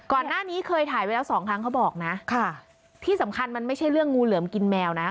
ก่อนหน้านี้เคยถ่ายไว้แล้วสองครั้งเขาบอกนะค่ะที่สำคัญมันไม่ใช่เรื่องงูเหลือมกินแมวนะ